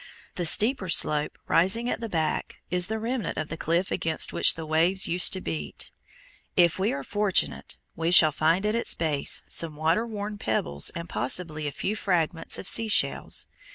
The steeper slope rising at the back is the remnant of the cliff against which the waves used to beat. If we are fortunate, we shall find at its base some water worn pebbles and possibly a few fragments of sea shells.